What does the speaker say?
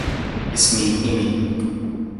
إسمي إيميلي.